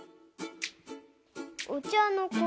お茶の子